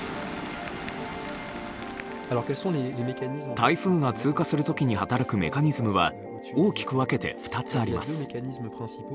台風が通過する時に働くメカニズムは大きく分けて２つあります。